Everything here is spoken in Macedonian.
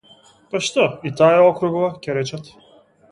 Па што, и таа е округла, ќе речат.